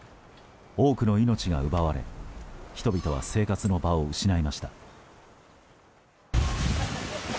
多くの命が奪われ人々は生活の場を失いました。